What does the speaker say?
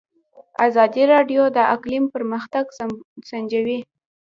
ازادي راډیو د اقلیم پرمختګ سنجولی.